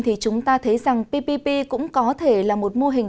thì chúng ta thấy rằng ppp cũng có thể là một mô hình